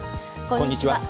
こんにちは。